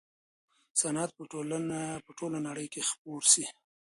صنعت به په ټوله نړۍ کي خپور سي.